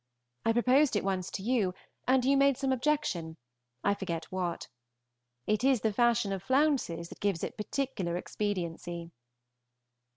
I proposed it once to you, and you made some objection, I forget what. It is the fashion of flounces that gives it particular expediency.